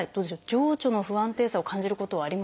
情緒の不安定さを感じることはありますか？